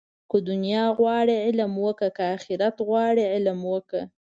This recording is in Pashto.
که دنیا غواړې، علم وکړه. که آخرت غواړې علم وکړه